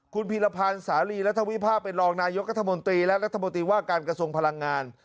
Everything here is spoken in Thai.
คุณพีรพันธ์สาลีรัฐวิภาพเป็นรองนายกรัฐมนตรีและรัฐมนตรีว่าการกระทรวงพลังงาน